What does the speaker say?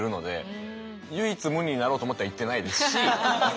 唯一無二になろうと思っては行ってないですし。